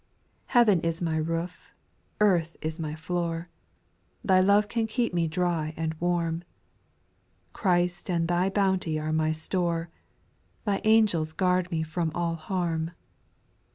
2. Heaven is my roof, earth is my floor, Thy love can keep me dry and warm ; Christ and Thy bounty are my store, Thy angels guard me from all harm.